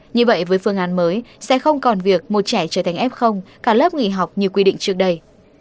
như vậy với phương án mới sẽ không còn việc một trẻ trở thành f cả lớp nghỉ học như quy định trước đây